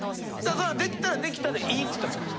そりゃできたらできたでいいって言ったんですよ。